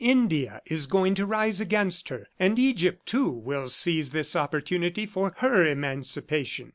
India is going to rise against her, and Egypt, too, will seize this opportunity for her emancipation."